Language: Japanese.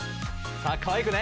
さぁかわいくね。